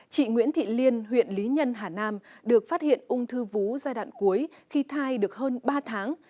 chị nguyễn thị liên huyện lý nhân hà nam được phát hiện ung thư vú giai đoạn cuối khi thai được hơn ba tháng